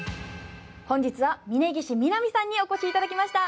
本日は峯岸みなみさんにお越しいただきました。